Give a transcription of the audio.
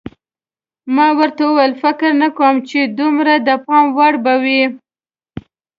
ما ورته وویل: فکر نه کوم چې دومره د پام وړ به وي.